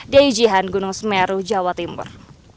di ujihan gunung semeru jawa timur